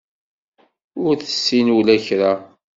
Ur tessin ula i kra.